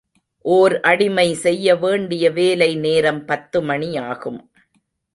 ஓர் அடிமை செய்ய வேண்டிய வேலை நேரம் பத்துமணியாகும்.